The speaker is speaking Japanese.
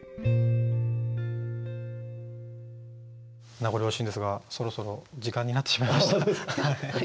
名残惜しいんですがそろそろ時間になってしまいました。